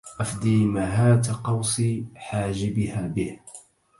أفدي مهاة قوس حاجبها به